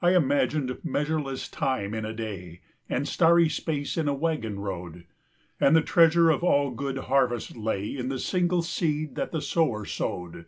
I imagined measureless time in a day, And starry space in a waggon road, And the treasure of all good harvests lay In the single seed that the sower sowed.